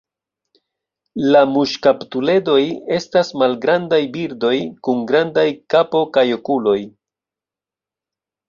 La muŝkaptuledoj estas malgrandaj birdoj kun grandaj kapo kaj okuloj.